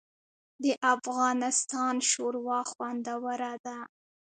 د افغانستان شوروا خوندوره ده